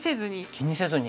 気にせずに？